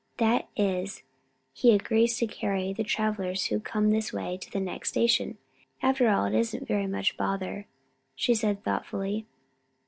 That is, he agrees to carry the travellers who come this way to the next station. After all, it isn't very much bother," she said, thoughtfully.